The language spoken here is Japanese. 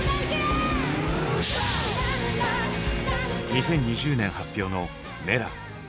２０２０年発表の「Ｍｅｌａ！」。